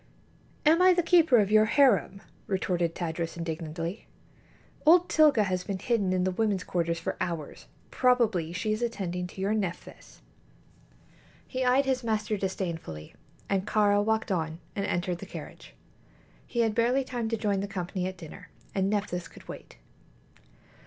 "Am I the keeper of your harem?" retorted Tadros, indignantly. "Old Tilga has been hidden in the women's quarters for hours. Probably she is attending to your Nephthys." He eyed his master disdainfully, and Kāra walked on and entered the carriage. He had barely time to join the company at dinner, and Nephthys could wait.